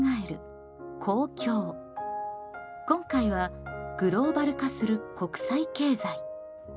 今回はグローバル化する国際経済。